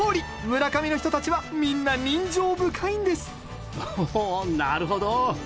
村上の人たちはみんな人情深いんですなるほど！